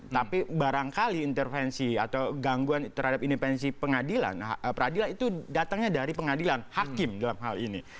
tapi barangkali intervensi atau gangguan terhadap intervensi pengadilan peradilan itu datangnya dari pengadilan hakim dalam hal ini